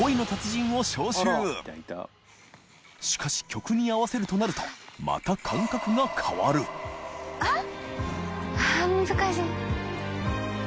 磴靴曲に合わせるとなると泙感覚が変わる森川）あっ。